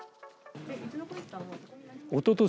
おととし